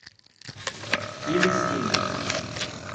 Ilicínea